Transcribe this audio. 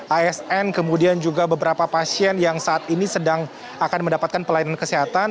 asn kemudian juga beberapa pasien yang saat ini sedang akan mendapatkan pelayanan kesehatan